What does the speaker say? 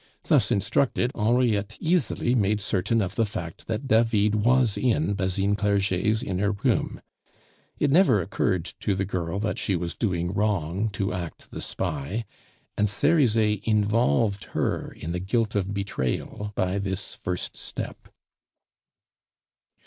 Thus instructed, Henriette easily made certain of the fact that David was in Basine Clerget's inner room. It never occurred to the girl that she was doing wrong to act the spy, and Cerizet involved her in the guilt of betrayal by this first step.